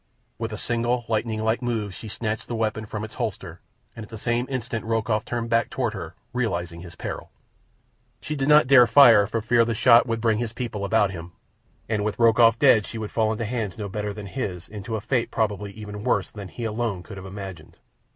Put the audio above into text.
With a single, lightning like move she snatched the weapon from its holster, and at the same instant Rokoff turned back toward her, realizing his peril. She did not dare fire for fear the shot would bring his people about him, and with Rokoff dead she would fall into hands no better than his and to a fate probably even worse than he alone could have imagined.